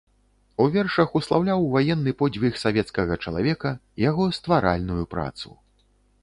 У вершах услаўляў ваенны подзвіг савецкага чалавека, яго стваральную працу.